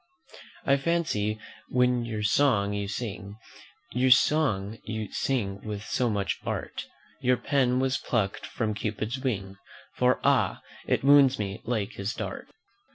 2. "I fancy, when your song you sing, Your song you sing with so much art, Your pen was plucked from Cupid's wing; For, ah! it wounds me like his dart."